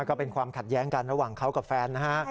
ก็เป็นความขัดแย้งกันระหว่างเขากับแฟนนะฮะ